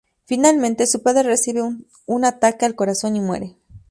Finalmente, su padre recibe un ataque al corazón y muere.